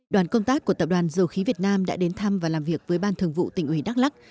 đoàn công tác của tập đoàn dầu khí việt nam đã đến thăm và làm việc với ban thường vụ tỉnh ủy đắk lắc